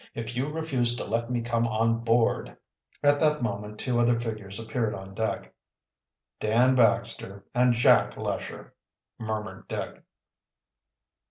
"If you refuse to let me come on board " At that moment two other figures appeared on deck. "Dan Baxter and Jack Lesher!" murmured Dick.